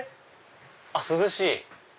涼しい！